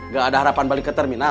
gak ada harapan balik ke terminal